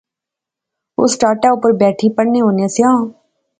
اس ٹاٹاں اوپر بیٹھی پڑھنے ہونے سیاں